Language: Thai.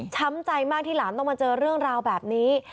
ใจมากที่หลานต้องมาเจอเรื่องราวแบบนี้